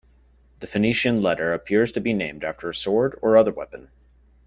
The Phoenician letter appears to be named after a sword or other weapon.